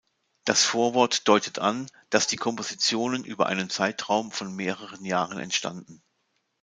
Das Vorwort deutet an, dass die Kompositionen über einen Zeitraum von mehreren Jahren entstanden.